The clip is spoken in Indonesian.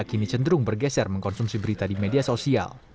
kini cenderung bergeser mengkonsumsi berita di media sosial